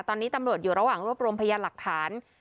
ตอนนี้ตำรวจอยู่ระหว่างรวบรวมพยานหลักฐาน